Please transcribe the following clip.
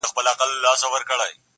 مامې په سکروټو کې خیالونه ورلېږلي وه!.